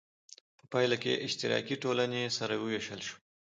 په پایله کې اشتراکي ټولنې سره وویشل شوې.